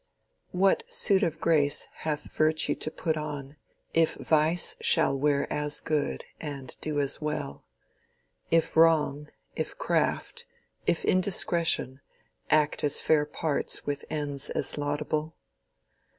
What suit of grace hath Virtue to put on If Vice shall wear as good, and do as well? If Wrong, if Craft, if Indiscretion Act as fair parts with ends as laudable?